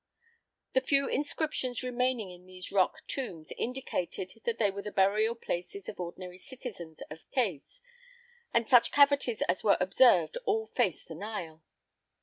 The few inscriptions remaining in these rock tombs indicated that they were the burial places of ordinary citizens of Qes, and such cavities as were observed all faced the Nile.